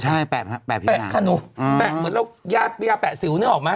ใช่แปะผิวหนังแปะขนูแปะเหมือนเราแปะซิวเนี่ยออกไหม